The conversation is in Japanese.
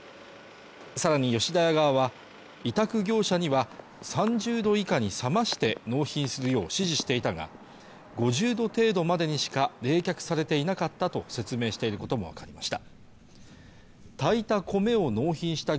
さらに吉田屋側は委託業者には３０度以下に冷まして納品するよう指示していたが５０度程度までにしか冷却されていなかったと説明していることも分かりました